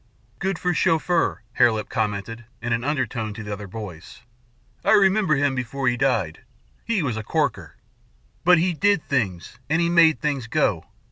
"Good for Chauffeur," Hare Lip commented in an undertone to the other boys. "I remember him before he died. He was a corker. But he did things, and he made things go.